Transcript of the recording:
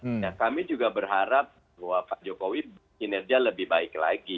nah kami juga berharap bahwa pak jokowi kinerja lebih baik lagi